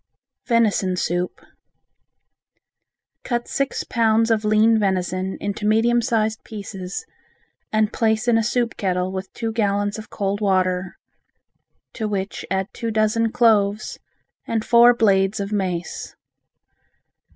Venison Soup Cut six pounds of lean venison into medium sized pieces and place in a soup kettle with two gallons of cold water, to which add two dozen cloves and four blades of mace.